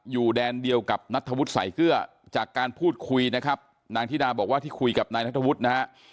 อยู่แดนเดียวกับนัทธวุฒิสายเกลือจากการพูดคุยนะครับนางธิดาบอกว่าที่คุยกับนายนัทธวุฒินะฮะ